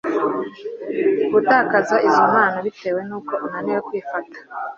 gutakaza izo mpano bitewe n uko unaniwe kwifata